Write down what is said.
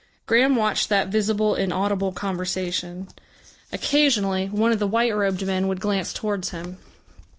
Graham watched that visible inaudible conversation. Occasionally, one of the white robed men would glance towards him.